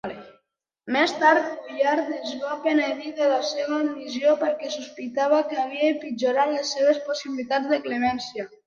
Més tard, Pollard es va penedir de la seva admissió, perquè sospitava que havia empitjorat les seves possibilitats de clemència.